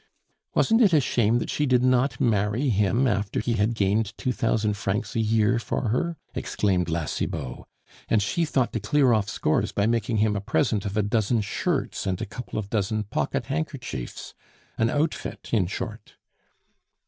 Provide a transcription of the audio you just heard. "Wasn't it a shame that she did not marry him after he had gained two thousand francs a year for her?" exclaimed La Cibot. "And she thought to clear off scores by making him a present of a dozen shirts and a couple of dozen pocket handkerchiefs; an outfit, in short."